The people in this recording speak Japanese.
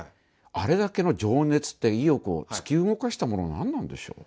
あれだけの情熱と意欲を突き動かしたもの何なんでしょう？